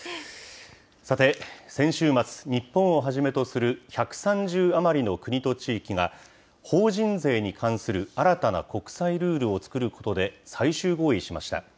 さて、先週末、日本をはじめとする１３０余りの国と地域が、法人税に関する新たな国際ルールを作ることで、最終合意しました。